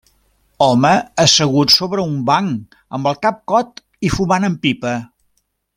Home assegut sobre un banc amb el cap cot i fumant amb pipa.